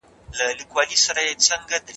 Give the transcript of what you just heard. د ټولنپوهنې مطالعې پر مهال زه خوند اخلم.